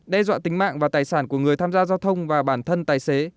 đe dọa tính mạng và tài sản của người tham gia giao thông và bản thân tài xế